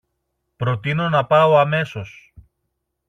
προτείνω να πάω αμέσως